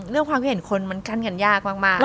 ความคิดเห็นคนมันกั้นกันยากมาก